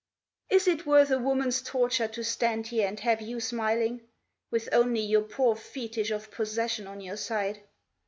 Is it worth a woman's torture to stand here and have you smiling, With only your poor fetish of possession on your side?